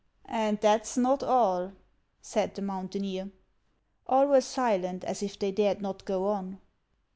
" And that 's not all," said the mountaineer. All were silent, as if they dared not go on.